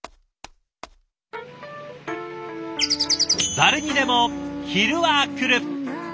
誰にでも昼はくる。